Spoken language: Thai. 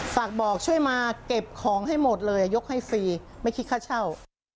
ฝากบอกช่วยมาเก็บของให้หมดเลยยกให้ฟรีไม่คิดค่าเช่า